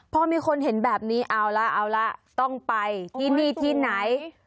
พอมีคนเห็นแบบนี้เอาละเอาละต้องไปที่นี่ที่ไหน